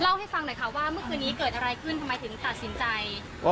เล่าให้ฟังหน่อยค่ะว่าเมื่อคืนนี้เกิดอะไรขึ้นทำไมถึงตัดสินใจ